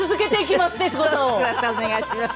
またお願いします。